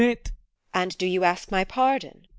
TEKLA. And do you ask my pardon?